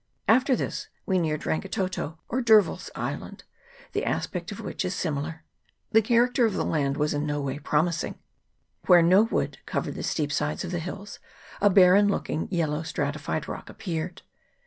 After this we neared Rangi toto, or D'Urville's Island, the aspect of which is similar. The character of the land was in no way promising. Where no wood covered the steep sides of the hills, a barren looking yellow stratified rock appeared.